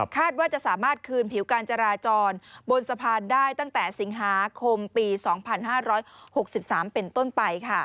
ว่าจะสามารถคืนผิวการจราจรบนสะพานได้ตั้งแต่สิงหาคมปี๒๕๖๓เป็นต้นไป